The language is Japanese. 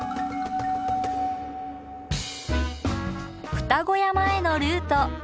両子山へのルート。